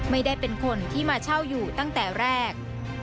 ไม่ได้เป็นคนที่มาเช่าอยู่ตั้งแต่แรก